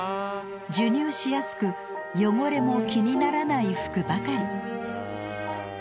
授乳しやすく汚れも気にならない服ばかり。